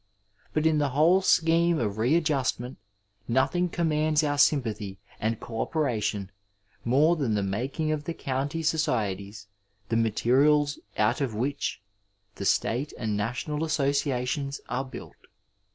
But in the whole scheme of readjustment nothing commands our sympathy and co operation more than the making of the county societies the materials out of which the state and national associations ore built.